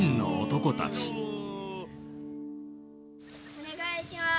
お願いします。